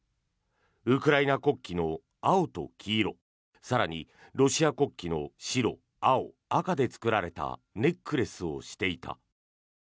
ウクライナ国旗の青と黄色更に、ロシア国旗の白、青、赤で作られたネックレスをしていた。